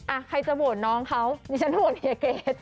อ่ะใครจะโหวนน้องเขานี่ฉันโหวนเฮียเกศ